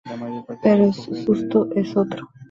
Pero su susto es otro.